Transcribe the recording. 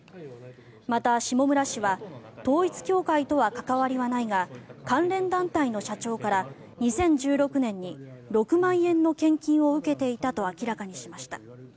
また、下村氏は統一教会とは関わりはないが関連団体の社長から２０１６年に６万円の献金を受けていたと明らかにしました。